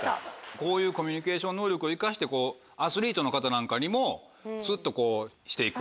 こういうコミュニケーション能力を生かしてアスリートの方なんかにもスッとして行く。